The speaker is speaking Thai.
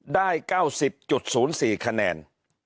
ได้๙๐๐๔คะแนน